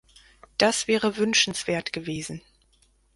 Das wäre wünschenswert gewesen.